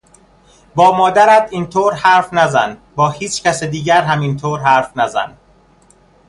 با مادرت این طور حرف نزن، با هیچکس دیگر هم این طور حرف نزن!